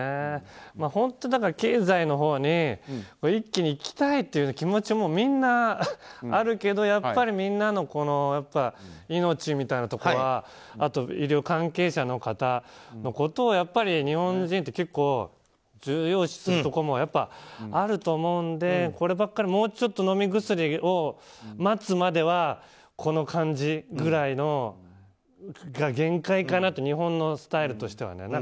本当、経済のほうに一気に行きたいという思いもみんなあるけど、やっぱりみんなの命みたいなところはあと、医療関係者の方のことをやっぱり日本人って結構、重要視するところもあると思うのでこればっかりはもうちょっと飲み薬を待つまではこの感じぐらいが限界かなと日本のスタイルとしてはね。